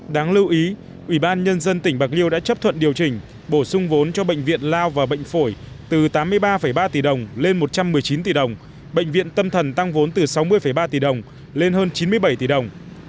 đáng lưu ý ủy ban nhân dân tỉnh bạc liêu đã chấp thuận điều chỉnh bổ sung vốn cho bệnh viện lao và bệnh phổi từ tám mươi ba ba tỷ đồng lên một trăm một mươi chín tỷ đồng bệnh viện tâm thần tăng vốn từ sáu mươi ba tỷ đồng lên hơn chín mươi bảy tỷ đồng